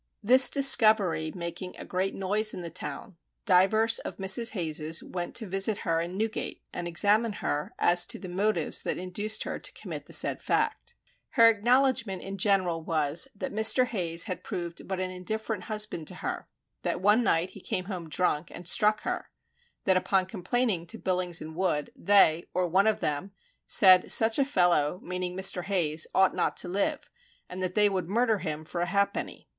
This discovery making a great noise in the town, divers of Mrs. Hayes's went to visit her in Newgate and examine her as to the and motives that induced her to commit the said fact. Her acknowledgment in general was: that Mr. Hayes had proved but an indifferent husband to her; that one night he came home drunk and struck her; that upon complaining to Billings and Wood they, or one of them, said such a fellow (meaning Mr. Hayes) ought not to live, and that they would murder him for a halfpenny.